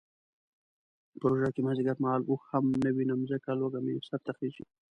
په روژه کې مازدیګر مهال اوښ هم نه وینم ځکه لوږه مې سرته خیژي.